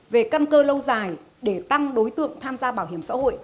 về căn cơ lâu dài để tăng đối tượng tham gia bảo hiểm xã hội